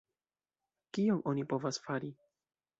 Kion oni povas fari?